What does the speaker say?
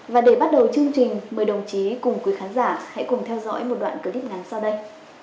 và để bắt đầu chương trình mời đồng chí cùng quý khán giả hãy cùng theo dõi một đoạn clip ngắn sau đây